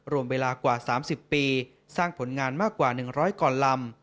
รวมเวลากว่า๓๐ปีสร้างผลงานมากกว่า๑๐๐กว่าลำ